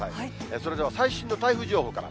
それでは、最新の台風情報から。